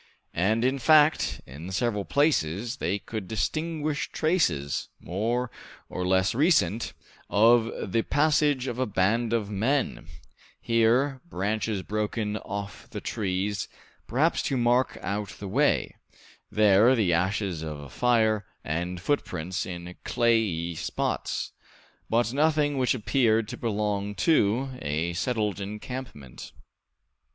And, in fact, in several places they could distinguish traces, more or less recent, of the passage of a band of men here branches broken off the trees, perhaps to mark out the way; there the ashes of a fire, and footprints in clayey spots; but nothing which appeared to belong to a settled encampment.